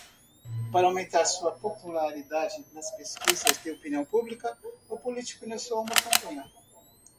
Para aumentar sua popularidade nas pesquisas de opinião pública?, o político iniciou uma campanha.